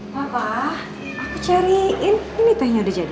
papa aku cariin ini tuh yang udah jadi